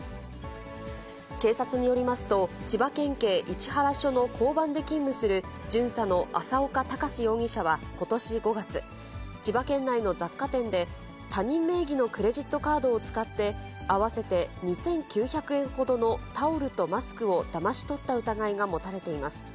警察によりますと、千葉県警市原署の交番で勤務する巡査の浅岡高志容疑者はことし５月、千葉県内の雑貨店で、他人名義のクレジットカードを使って合わせて２９００円ほどのタオルとマスクをだまし取った疑いが持たれています。